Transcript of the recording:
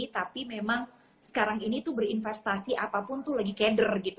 tapi memang sekarang ini tuh berinvestasi apapun tuh lagi keder gitu